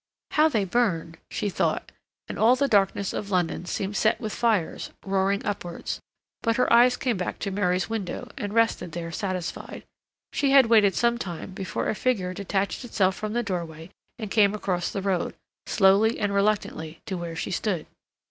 "How they burn!" she thought, and all the darkness of London seemed set with fires, roaring upwards; but her eyes came back to Mary's window and rested there satisfied. She had waited some time before a figure detached itself from the doorway and came across the road, slowly and reluctantly, to where she stood.